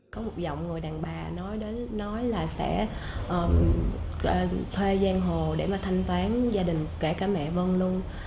có một giọng người đàn bà nói là sẽ thuê gian hồ để mà thanh toán gia đình kể cả mẹ vân luôn